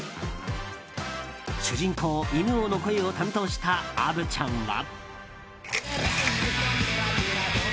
主人公・犬王の声を担当したアヴちゃんは。